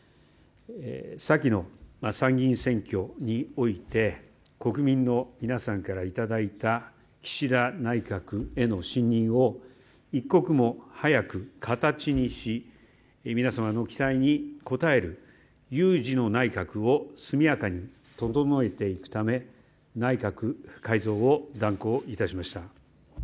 先の、参議院選挙において国民の皆さんからいただいた岸田内閣への信任を一刻も早く形にし皆様の期待に応える有事の内閣を速やかに整えていくため内閣改造を断行いたしました。